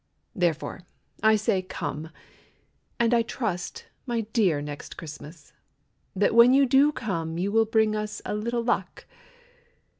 Therefore, I say "Come," And I trust, my dear Next Christmas, That when you do come You will bring us a little luck.